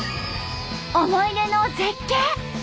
思い出の絶景！